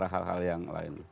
hal hal yang lain